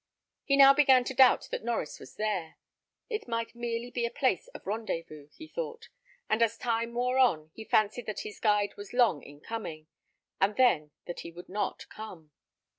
He now began to doubt that Norries was there. It might merely be a place of rendezvous, he thought; and as time wore on, he fancied that his guide was long in coming, and then that he would not come.